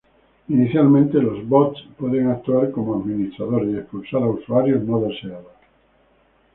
Inicialmente los bots pueden actuar como administradores y expulsar a usuarios no deseados.